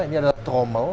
ini adalah tromel